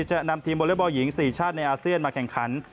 จะนำทีมวอเล็กบอลหญิง๔ชาติในอาเซียนมาแข่งขัน